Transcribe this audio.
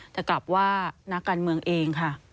แต่กลับว่านายุครัฐมนตรีการเมืองเองค่ะ